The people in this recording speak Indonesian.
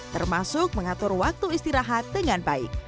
termasuk mengatur waktu istirahat dengan baik